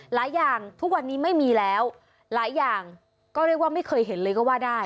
หลายอย่างทุกวันนี้ไม่มีแล้วหลายอย่างก็เรียกว่าไม่เคยเห็นเลยก็ว่าได้